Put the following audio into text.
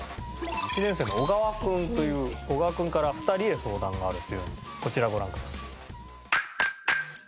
１年生の小川君という小川君から２人へ相談があるというのでこちらをご覧ください。